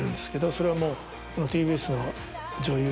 それはもうＴＢＳの。